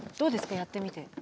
やってみて。